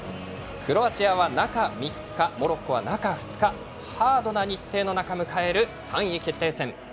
クロアチアは、中３日モロッコは中２日ハードな日程の中、迎える３位決定戦。